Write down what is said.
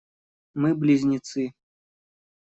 Мы близнецы.